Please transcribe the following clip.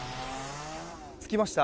つきました。